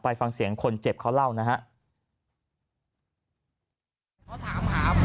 ฟังเสียงคนเจ็บเขาเล่านะครับ